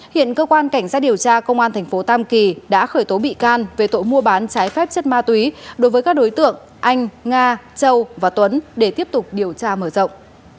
hiện cơ quan cảnh sát điều tra công an thành phố tam kỳ đã khởi tố bị can về tội mua bán trái phép chất ma túy đối với các đối tượng anh nga châu và tuấn để tiếp tục điều tra mở rộng